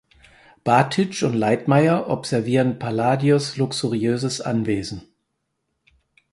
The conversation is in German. Batic und Leitmayr observieren Palladios luxuriöses Anwesen.